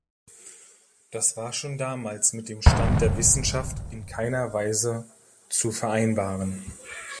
Das war schon damals mit dem Stand der Wissenschaft in keiner Weise zu vereinbaren.